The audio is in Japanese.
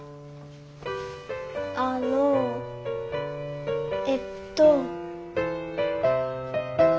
あのえっと。